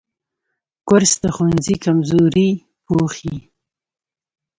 کورس د ښوونځي کمزوري پوښي.